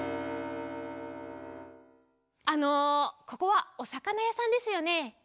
あのここはおさかなやさんですよね？